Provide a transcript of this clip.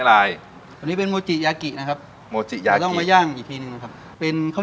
แล้วก็แป้งแปะแช่ครับแปะแช่